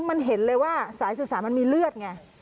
มันเห็นเลยว่าสายสื่อสารมันมีเลือดไง